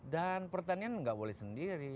dan pertanian nggak boleh sendiri